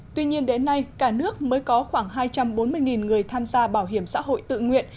tuy nhiên đến nay cả nước mới có khoảng hai trăm bốn mươi người tham gia bảo hiểm xã hội tự nguyện